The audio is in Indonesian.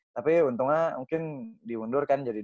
tapi untungnya mungkin diundurkan jadi ya